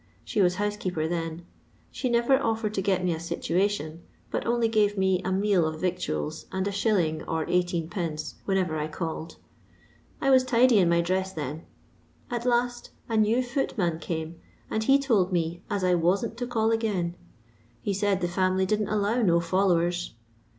She was hoosekeeper then. She never offered to get me a situation, but only gave me a meal of victoaU and a shilling or eighteen pence whenever I called. I was tidy in my dress then. At last a new footman came, and he told me as I wasn't to call again ; he said, the family didn't allow no followers.